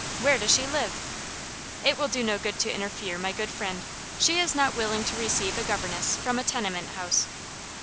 Where does she live?" "It will do no good to interfere, my good friend. She is not willing to receive a governess from a tenement house."